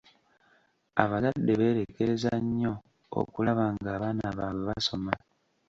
Abazadde beerekereza nnyo okulaba ng'abaana baabwe basoma.